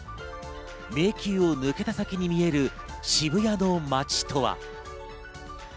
迷宮を抜けた先に見える渋谷の街とは。